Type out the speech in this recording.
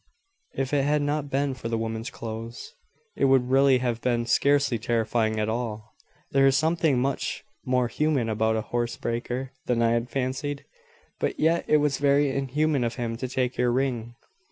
If it had not been for the woman's clothes, it would really have been scarcely terrifying at all. There is something much more human about a housebreaker than I had fancied. But yet it was very inhuman of him to take your ring."